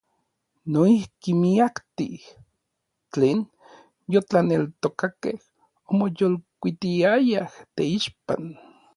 Noijki miaktij tlen yotlaneltokakej omoyolkuitiayaj teixpan.